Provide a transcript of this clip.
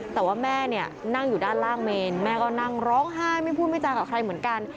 แต่ว่าแม่เนี่ยนั่งอยู่ด้านล่างเมนแม่ก็นั่งร้องไห้ไม่พูดไม่จากับใครเหมือนกัน